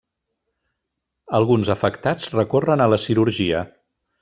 Alguns afectats recorren a la cirurgia.